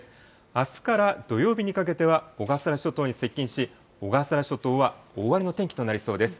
あすから土曜日にかけては小笠原諸島に接近し、小笠原諸島は大荒れの天気となりそうです。